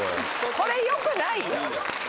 これ良くないよ。